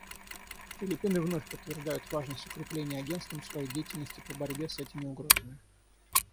Филиппины вновь подтверждают важность укрепления Агентством своей деятельности по борьбе с этими угрозами.